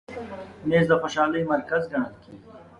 مېز د خوشحالۍ مرکز ګڼل کېږي.